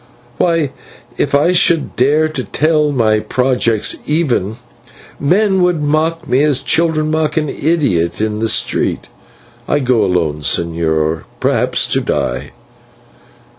Why, if I should dare to tell my projects even, men would mock me as children mock an idiot in the street. I go alone, señor, perhaps to die."